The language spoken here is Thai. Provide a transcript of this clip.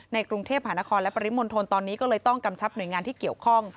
กรุงเทพหานครและปริมณฑลตอนนี้ก็เลยต้องกำชับหน่วยงานที่เกี่ยวข้อง